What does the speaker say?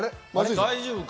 大丈夫か？